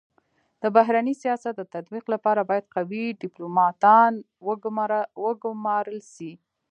د بهرني سیاست د تطبیق لپاره بايد قوي ډيپلوماتان و ګمارل سي.